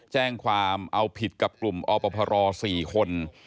แจ้งความเอาผิดกับกลุ่มอพร๔คน